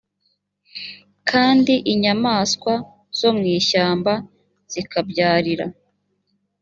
kandi inyamaswa zo mu ishyamba zikabyarira